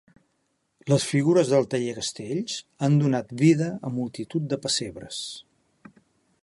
Les figures del taller Castells han donat vida a multitud de pessebres.